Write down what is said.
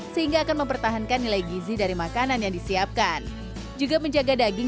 sehingga akan mempertahankan nilai gizi dari makanan yang disiapkan juga menjaga daging